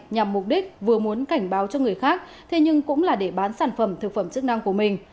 nhằm mục đích vừa muốn cảnh báo cho người khác thế nhưng cũng là để bán sản phẩm thực phẩm chức năng của mình